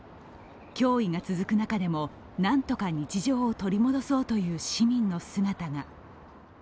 脅威が続く中でも、何とか日常を取り戻そうという市民の姿が。